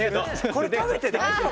これ食べて大丈夫！？